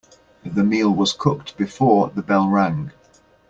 The meal was cooked before the bell rang.